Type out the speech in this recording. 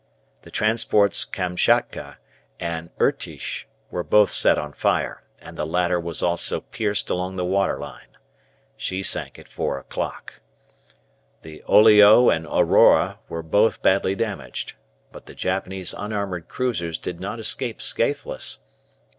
The transports "Kamschatka" and "Irtish" were both set on fire, and the latter was also pierced along the water line. She sank at four o'clock. The "Oleg" and "Aurora" were both badly damaged. But the Japanese unarmoured cruisers did not escape scathless.